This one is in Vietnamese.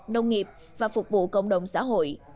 nông nghiệp và phục vụ cộng đồng xã hội